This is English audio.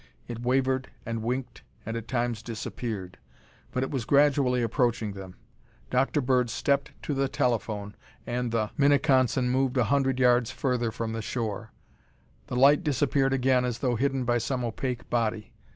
It wavered and winked and at times disappeared, but it was gradually approaching them. Dr. Bird stepped to the telephone and the Minneconsin moved a hundred yards further from the shore. The light disappeared again as though hidden by some opaque body.